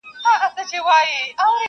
امتحان لره راغلی کوه کن د زمانې یم.